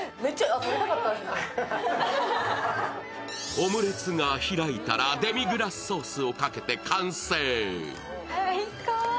オムレツが開いたらデミグラスソースをかけて完成。